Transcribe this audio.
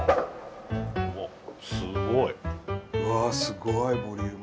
うわすごいボリューム。